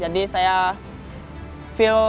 jadi saya feel dapat feeling dari atlet atlet semua aja